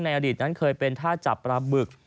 อดีตนั้นเคยเป็นท่าจับปลาบึก